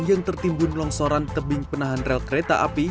yang tertimbun longsoran tebing penahan rel kereta api